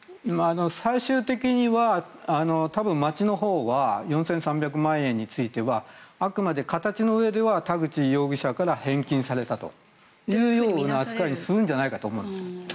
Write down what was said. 最終的には多分、町のほうは４３００万円についてはあくまで形のうえでは田口容疑者から返金されたというような扱いをするんじゃないかと思います。